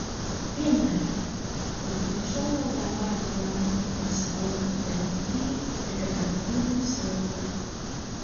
"Piemēram, latviešu valodā vārdu "grāmata" un "saule" deminutīvi ir "grāmatiņa" un "saulīte"."